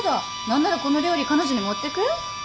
何ならこの料理彼女に持ってく？